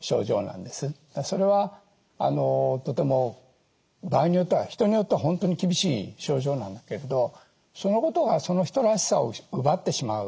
それはとても場合によっては人によっては本当に厳しい症状なんだけれどそのことはその人らしさを奪ってしまうわけではない。